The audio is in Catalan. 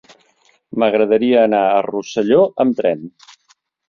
M'agradaria anar a Rosselló amb tren.